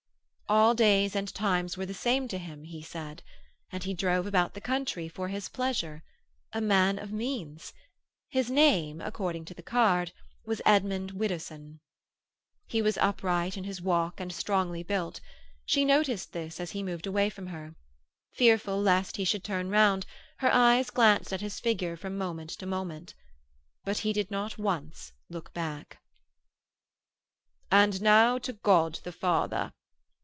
All days and times were the same to him—he said. And he drove about the country for his pleasure. A man of means. His name, according to the card, was Edmund Widdowson. He was upright in his walk, and strongly built. She noticed this as he moved away from her. Fearful lest he should turn round, her eyes glanced at his figure from moment to moment. But he did not once look back. "And now to God the Father."